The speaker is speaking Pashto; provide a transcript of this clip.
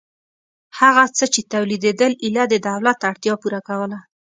هغه څه چې تولیدېدل ایله د دولت اړتیا پوره کوله